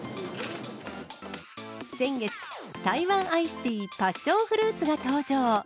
先月、台湾アイスティーパッションフルーツが登場。